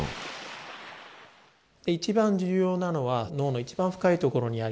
一番重要なのは脳の一番深いところにあります